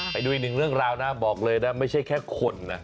ไปดูอีกหนึ่งเรื่องราวนะบอกเลยนะไม่ใช่แค่คนนะ